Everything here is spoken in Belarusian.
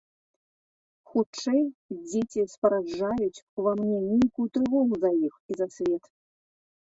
Хутчэй, дзеці спараджаюць у ва мне нейкую трывогу за іх і за свет.